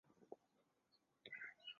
长渊线